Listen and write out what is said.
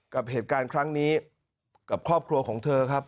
กับเหตุการณ์ครั้งนี้กับครอบครัวของเธอครับ